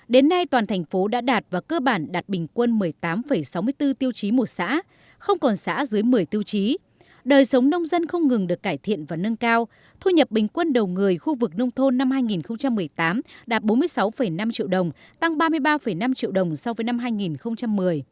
đời sống nông dân không ngừng được cải thiện và nâng cao thu nhập bình quân đầu người khu vực nông thôn năm hai nghìn một mươi tám đạt bốn mươi sáu năm triệu đồng tăng ba mươi ba năm triệu đồng so với năm hai nghìn một mươi